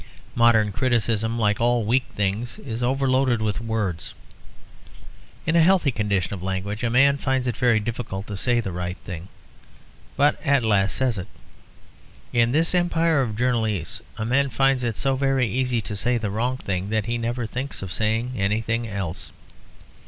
Modern criticism, like all weak things, is overloaded with words. In a healthy condition of language a man finds it very difficult to say the right thing, but at last says it. In this empire of journalese a man finds it so very easy to say the wrong thing that he never thinks of saying anything else.